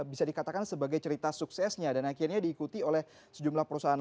bisa dikatakan sebagai cerita suksesnya dan akhirnya diikuti oleh sejumlah perusahaan